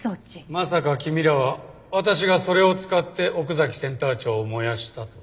まさか君らは私がそれを使って奥崎センター長を燃やしたと？